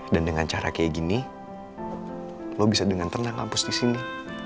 dan dengan cara kayak gini lo bisa dengan tenang kampus di sini